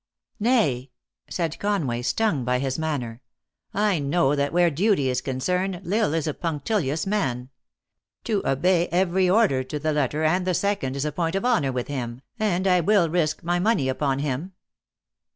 "Nay," said Conway, stung by his manner, "I know that where duty is concerned, L Isle is a punc tilious man. To obey every order to the letter and the second, is a point of honor with him, and I will risk my money upon him."